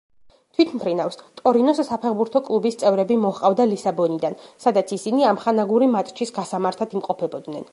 თვითმფრინავს ტორინოს საფეხბურთო კლუბის წევრები მოჰყავდა ლისაბონიდან, სადაც ისინი ამხანაგური მატჩის გასამართად იმყოფებოდნენ.